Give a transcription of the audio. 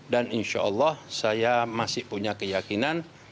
dan insyaallah saya masih punya keyakinan